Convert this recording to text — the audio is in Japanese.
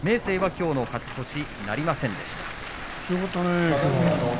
明生、きょうの勝ち越しはなりませんでした。